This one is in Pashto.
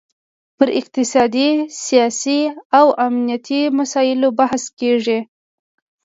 پر اقتصادي، سیاسي او امنیتي مسایلو بحث کیږي